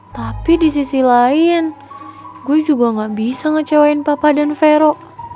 tapi di sisi lain gue juga gak bisa ngecewain papa dan vero